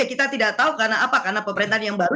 karena pemerintahan yang baru